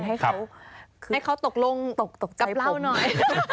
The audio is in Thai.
ให้เขาตกลงกับเราหน่อย